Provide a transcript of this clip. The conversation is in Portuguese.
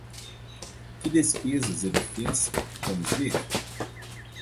Que despesas ele fez, vamos ver?